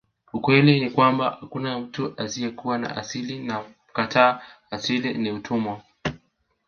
Ukweli ni kwamba hakuna mtu asiyekuwa na asili na mkataa asili ni mtumwa